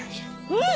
うん？